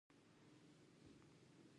د باغدارۍ سکتور د ودې په حال کې دی.